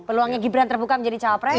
peluangnya gibran terbuka menjadi cawapres